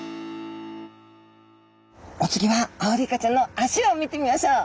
お次はアオリイカちゃんの足を見てみましょう。